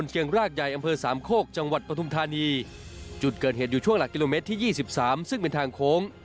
จุดเกิดเหตุอยู่ช่วงหลักกิโลเมตรที่๒๓ซึ่งเป็นทางโค้ง